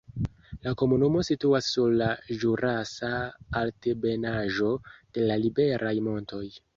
La komunumo situas sur la ĵurasa altebenaĵo de la Liberaj Montoj.